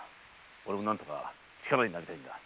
俺も何とか力になりたいのだ。